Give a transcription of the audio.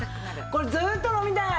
これずっと飲みたい。